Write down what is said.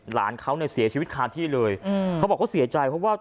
หลานเขาเนี่ยเสียชีวิตคาที่เลยอืมเขาบอกเขาเสียใจเพราะว่า